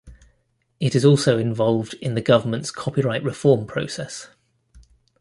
It is also involved in the government's copyright reform process.